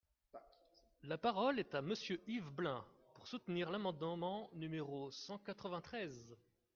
La parole est à Monsieur Yves Blein, pour soutenir l’amendement numéro cent quatre-vingt-treize.